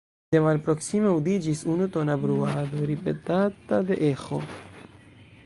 De malproksime aŭdiĝis unutona bruado, ripetata de eĥo.